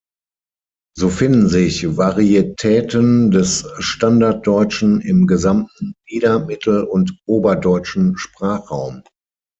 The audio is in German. So finden sich Varietäten des Standarddeutschen im gesamten nieder-, mittel- und oberdeutschen Sprachraum.